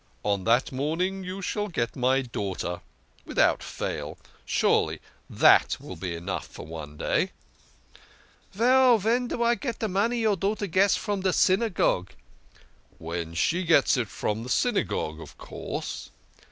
" On that morning you shall get my daughter without fail. Surely that will be enough for one day !"" Veil, ven do I get de money your daughter gets from de Synagogue ?"" When she gets it from the Synagogue, of course."